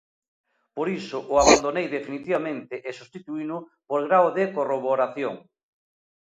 Por iso o abandonei definitivamente e substituíno por "grao de corroboración".